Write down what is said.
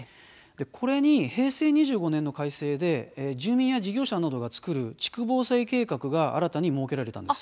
これに平成２５年の改正で住民や事業者などが作る地区防災計画が新たに設けられたんです。